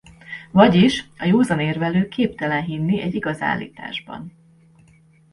Vagyis a józan érvelő képtelen hinni egy igaz állításban.